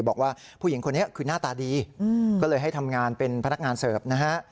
บอกว่าผู้หญิงคนนี้คือหน้าตาดีก็เลยให้ทำงานเป็นพนักงานเสิร์ฟนะฮะ